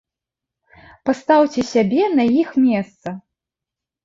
Пастаўце сябе на іх месца.